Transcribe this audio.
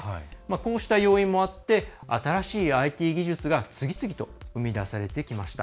こうした要因もあって新しいＩＴ技術が次々と生み出されてきました。